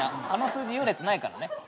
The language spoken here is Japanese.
あの数字優劣ないからね。